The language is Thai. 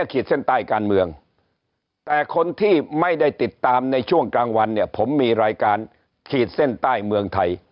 ขีดเส้นใต้เมืองไทย